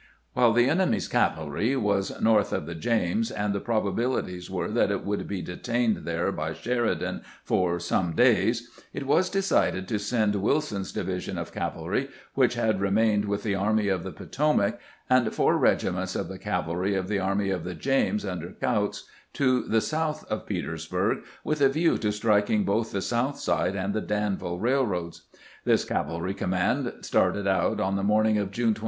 While the enemy's cavahy was north of the James, and the probabilities were that it would be detained there by Sheridan for some days, it was decided to send WUson's division of cavalry, which had remained with the Army of the Potomac, and four regiments of the cavalry of the Army of the James under Kautz, to the south of Petersburg, with a view to striking both the South Side and the Danville railroads. This cavalry command started out on the morning of June 22.